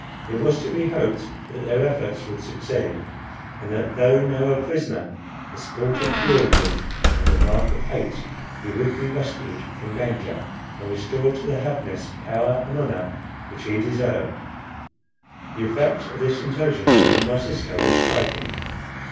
It was to be hoped that their efforts would succeed, and that though now a prisoner, the sport of cruelty and the mark of hate, he would be rescued from danger and restored to the happiness, power, and honour which he deserved. The effect of this intelligence upon my sister was striking.